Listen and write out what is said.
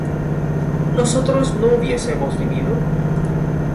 ¿nosotros no hubiésemos vivido?